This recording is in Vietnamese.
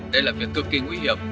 đây là việc cực kỳ nguy hiểm